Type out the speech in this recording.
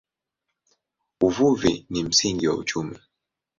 Uvuvi ni msingi wa uchumi.